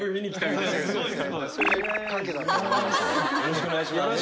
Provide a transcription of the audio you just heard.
よろしくお願いします。